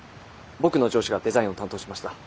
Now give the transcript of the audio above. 僕の上司がデザインを担当しました。